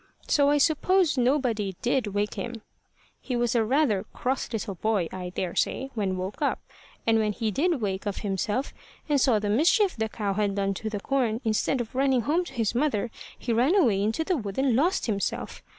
So I suppose nobody did wake him. He was a rather cross little boy, I daresay, when woke up. And when he did wake of himself, and saw the mischief the cow had done to the corn, instead of running home to his mother, he ran away into the wood and lost himself.